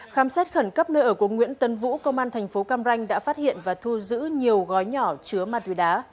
khám xét khẩn cấp nơi ở của nguyễn tấn vũ công an thành phố cam ranh đã phát hiện và thu giữ nhiều gói nhỏ chứa ma túy đá